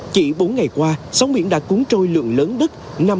chỉ bốn ngày qua sóng biển đã cuốn trôi lượng lớn đất